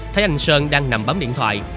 thấy anh sơn đang nằm bấm điện thoại